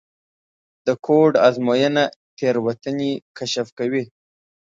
د کوډ ازموینه تېروتنې کشف کوي.